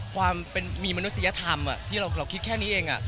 ความมีมนุษยธรรมที่เราคิดแค่นี้เอง